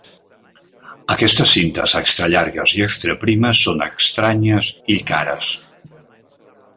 Aquestes cintes extrallargues i extraprimes són estranyes i cares.